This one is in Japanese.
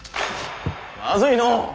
まずいのう。